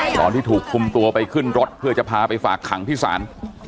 ตอนที่ถูกคุมตัวไปขึ้นรถเพื่อจะพาไปฝากขังที่ศาล